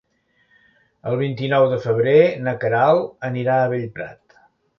El vint-i-nou de febrer na Queralt anirà a Bellprat.